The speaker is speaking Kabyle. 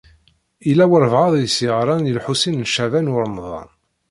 Yella walebɛaḍ i s-yeɣṛan i Lḥusin n Caɛban u Ṛemḍan.